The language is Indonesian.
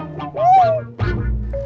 assalamualaikum warahmatullahi wabarakatuh